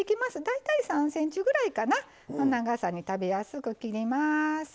大体３ｃｍぐらいかなの長さに食べやすく切ります。